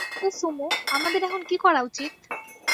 তো সুমো, আমাদের এখন কি করা উচিত?